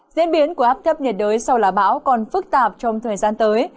diễn biến của áp thấp nhiệt đới sau là bão còn phức tạp trong thời gian tới